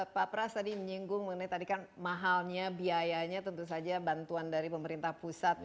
pak pras tadi menyinggung mengenai tadi kan mahalnya biayanya tentu saja bantuan dari pemerintah pusat